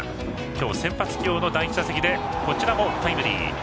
今日、先発起用の第１打席でこちらもタイムリー。